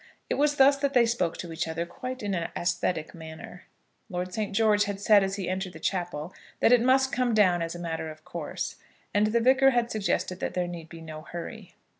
It was thus that they spoke to each other, quite in an æsthetic manner. Lord St. George had said as he entered the chapel, that it must come down as a matter of course; and the Vicar had suggested that there need be no hurry.